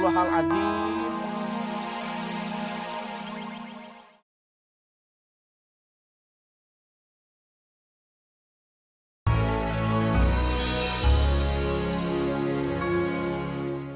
lomba ga ternyata ni